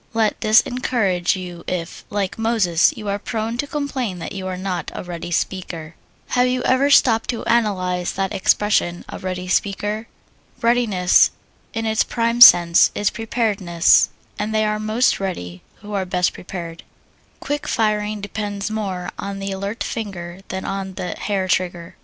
Let this encourage you if, like Moses, you are prone to complain that you are not a ready speaker. Have you ever stopped to analyze that expression, "a ready speaker?" Readiness, in its prime sense, is preparedness, and they are most ready who are best prepared. Quick firing depends more on the alert finger than on the hair trigger.